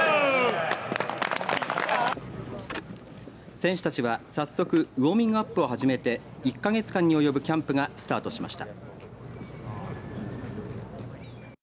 選手たちは早速ウォーミングアップを始めて１か月間に及ぶキャンプがスタートしました。